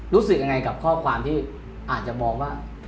รู้สึกยังไงกับข้อความที่อาจจะมองว่า